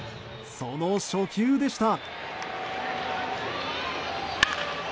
その初球でした。